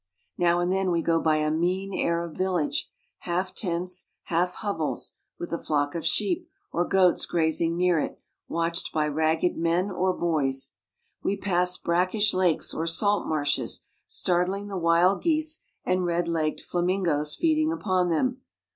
Now and then we go by a mean Arab village, half tents, half hovels, with a flock of sheep or goats grazing near it, watched by ragged men or boys. We pass brackish lakes or salt marshes, startling the wild geese and red legged flamingoes feeding upon them.